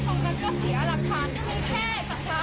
ก็เลยคิดว่าเอ้าทำไมตำรวจต้องโทษแบบนี้กับเขา